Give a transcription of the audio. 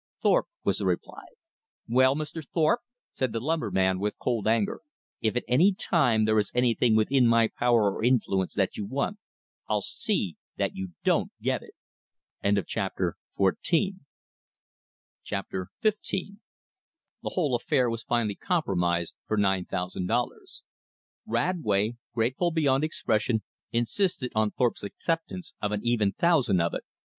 "Thorpe," was the reply. "Well, Mr. Thorpe," said the lumberman with cold anger, "if at any time there is anything within my power or influence that you want I'll see that you don't get it." Chapter XV The whole affair was finally compromised for nine thousand dollars. Radway, grateful beyond expression, insisted on Thorpe's acceptance of an even thousand of it.